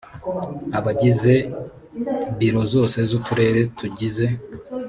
abagize biro zose z uturere tugize